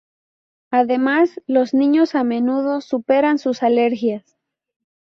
Además, los niños a menudo 'superan' sus alergias.